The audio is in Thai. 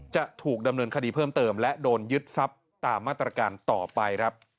จะถูกดำเนินคดีเพิ่มเติมและโดนยึดทรัพย์ตามมาตรการต่อไปครับ